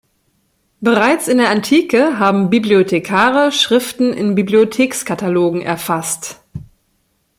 Bereits in der Antike haben Bibliothekare Schriften in Bibliothekskatalogen erfasst.